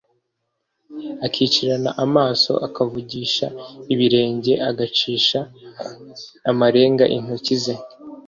akicirana amaso akavugisha ibirenge, agacisha amarenga intoki ze